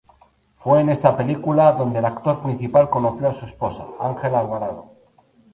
Fue en esta película, donde el actor principal conoció a su esposa, Angela Alvarado.